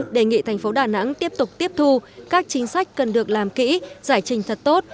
đề nghị thành phố đà nẵng tiếp tục tiếp thu các chính sách cần được làm kỹ giải trình thật tốt